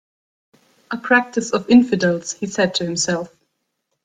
"A practice of infidels," he said to himself.